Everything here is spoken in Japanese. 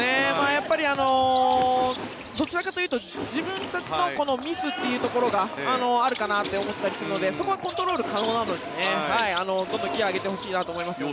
やっぱり、どちらかというと自分たちのミスというところがあるかなって思ったりするのでそこはコントロール可能なのでどんどんギアを上げてほしいなと思いますね。